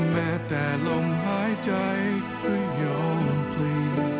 แม้แต่ลมหายใจก็โยมพลี